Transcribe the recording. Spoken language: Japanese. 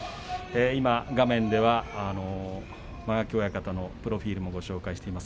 画面では間垣親方のプロフィールをご紹介しています。